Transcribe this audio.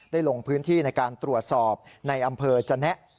ลงพื้นที่ในการตรวจสอบในอำเภอจนะ